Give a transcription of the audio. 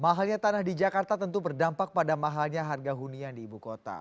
mahalnya tanah di jakarta tentu berdampak pada mahalnya harga hunian di ibu kota